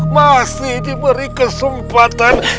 masih diberi kesempatan